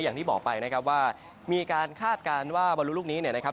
อย่างที่บอกไปนะครับว่ามีการคาดการณ์ว่าบอลลูลูกนี้เนี่ยนะครับ